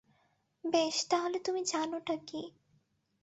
বেশ তাহলে তুমি জানো টা কি।